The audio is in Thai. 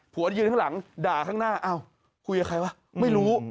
ยืนข้างหลังด่าข้างหน้าอ้าวคุยกับใครวะไม่รู้